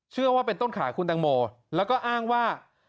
เชื่อว่าเป็นต้นขาคุณตังโมแล้วก็อ้างว่า